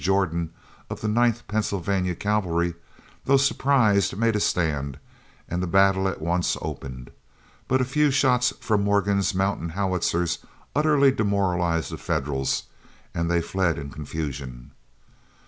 Jordan, of the Ninth Pennsylvania Cavalry, though surprised, made a stand, and the battle at once opened. But a few shots from Morgan's mountain howitzers utterly demoralized the Federals, and they fled in confusion.